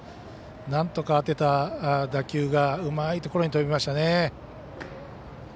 なんとか、当てた打球がうまいところに飛びましたね。